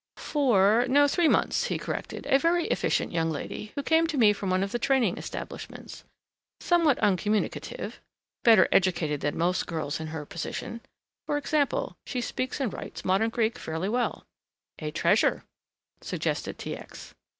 "Four, no three months," he corrected, "a very efficient young lady who came to me from one of the training establishments. Somewhat uncommunicative, better educated than most girls in her position for example, she speaks and writes modern Greek fairly well." "A treasure!" suggested T. X.